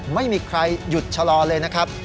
ไม่มีใครหยุดชะลอเลยนะครับ